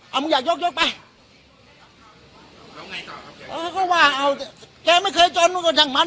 เอามึงอยากยกยกไปแล้วไงต่อครับแกเออเขาว่าเอาแกไม่เคยจนมึงก็อย่างมัน